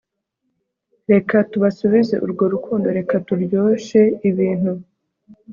Reka tubasubize urwo rukundo reka turyoshe ibintu